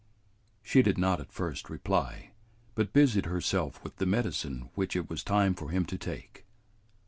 She did not at first reply, but busied herself with the medicine which it was time for him to take.